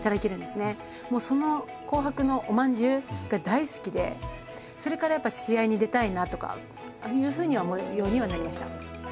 もうその紅白のお饅頭が大好きでそれからやっぱ試合に出たいなとかいうふうには思うようにはなりました。